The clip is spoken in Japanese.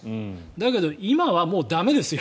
だけど今はもう駄目ですよ。